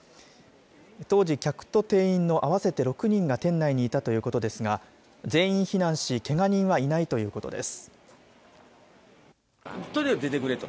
当時、客と店員の合わせて６人が店内にいたということですが全員避難し、けが人はいないということです。